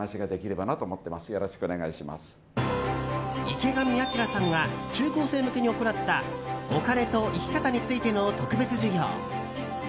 池上彰さんが中高生向けに行ったお金と生き方についての特別授業。